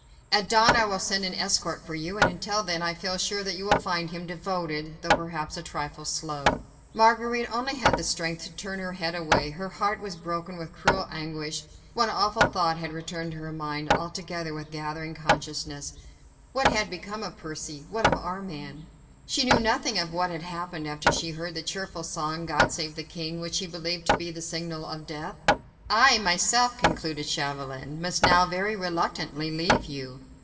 At dawn I will send an escort for you; until then, I feel sure that you will find him devoted, though perhaps a trifle slow." Marguerite only had the strength to turn her head away. Her heart was broken with cruel anguish. One awful thought had returned to her mind, together with gathering consciousness: "What had become of Percy?—What of Armand?" She knew nothing of what had happened after she heard the cheerful song, "God save the King," which she believed to be the signal of death. "I, myself," concluded Chauvelin, "must now very reluctantly leave you.